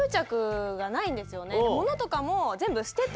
物とかも。